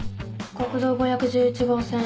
国道５１１号線。